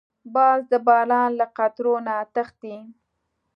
باز د باران له قطرو نه تښتي